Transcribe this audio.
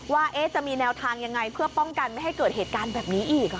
ว่าจะมีแนวทางยังไงเพื่อป้องกันไม่ให้เกิดเหตุการณ์แบบนี้อีก